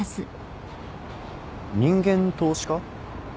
人間投資家？